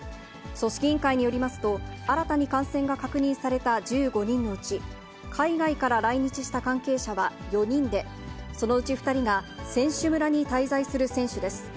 組織委員会によりますと、新たに感染が確認された１５人のうち、海外から来日した関係者は４人で、そのうち２人が選手村に滞在する選手です。